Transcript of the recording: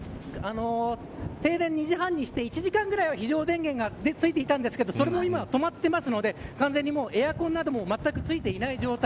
停電、２時半にして１時間ぐらいは非常電源がついていたんですがそれも今、止まっているので完全にエアコンなどもまったくついていない状態。